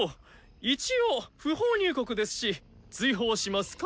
一応不法入国ですし追放しますか？